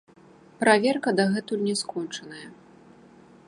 Праверка дагэтуль не скончаная.